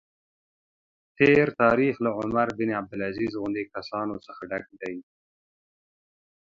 تېر تاریخ له عمر بن عبدالعزیز غوندې کسانو څخه ډک دی.